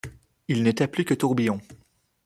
Il n’était plus que tourbillon.